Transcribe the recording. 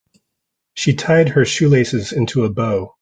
She tied her shoelaces into a bow.